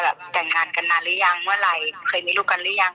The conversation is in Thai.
แต่งงานกันนานหรือยังเมื่อไหร่เคยมีลูกกันหรือยัง